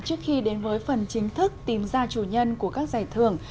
trước khi đến với phần chính thức tìm ra chủ nhân của các giải thưởng